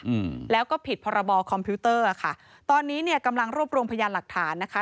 อืมแล้วก็ผิดพรบคอมพิวเตอร์ค่ะตอนนี้เนี่ยกำลังรวบรวมพยานหลักฐานนะคะ